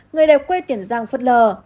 người đẹp quê tiền giang phất lờ